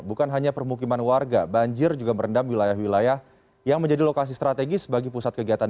bukan hanya permukiman warga banjir juga merendam wilayah wilayah yang menjadi lokasi strategis bagi pusat kegiatan